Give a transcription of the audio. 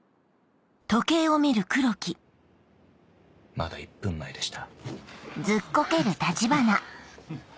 まだ１分前でした。